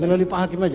melalui pak hakim aja